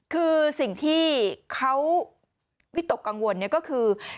คือสิ่งที่เขาวิตกกังวลก็คือ